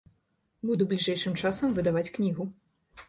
Буду бліжэйшым часам выдаваць кнігу.